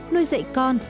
nuôi dạy con